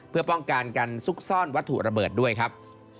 เพื่อป้องกันการซุกซ่อนวัตถุระเบิดด้วยครับ